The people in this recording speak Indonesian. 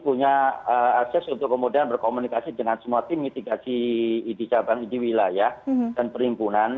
untuk kemudian berkomunikasi dengan semua tim mitigasi di cabang di wilayah dan perimpunan